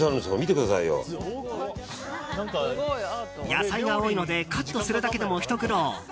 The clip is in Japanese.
野菜が多いのでカットするだけでもひと苦労。